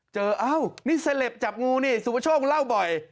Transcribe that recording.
เอ้านี่เสล็บจับงูนี่สุประโชคเล่าบ่อย